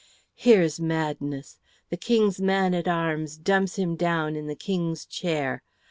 "Here's madness! The King's man at arms dumps him down in the King's chair!